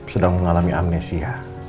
sedang mengalami amnesia